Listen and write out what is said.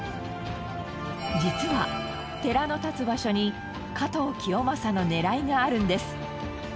実は寺の立つ場所に加藤清正の狙いがあるんです。